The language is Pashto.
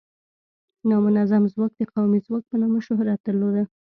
نامنظم ځواک د قومي ځواک په نامه شهرت درلوده.